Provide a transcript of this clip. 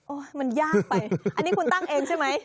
มันยากไปอันนี้คุณตั้งเองใช่ไหม